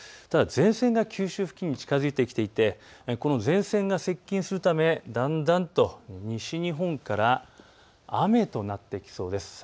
ただ前線が九州付近に近づいていて、この前線が接近するためだんだんと西日本から雨となってきそうです。